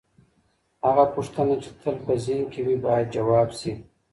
هغه پوښتنه چي تل په ذهن کي وي، بايد ځواب سي.